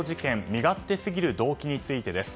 身勝手すぎる動機についてです。